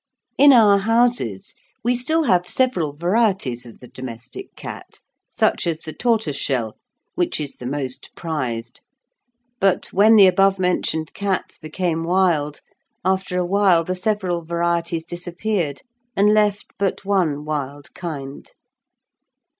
In our houses we still have several varieties of the domestic cat, such as the tortoise shell, which is the most prized, but when the above mentioned cats became wild, after a while the several varieties disappeared, and left but one wild kind.